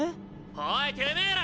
おいてめぇら！